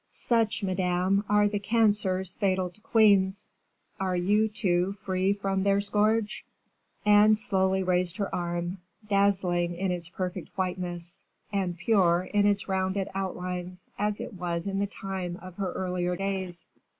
Such, madame, are the cancers fatal to queens; are you, too, free from their scourge?" Anne slowly raised her arm, dazzling in its perfect whiteness, and pure in its rounded outlines as it was in the time of her earlier days.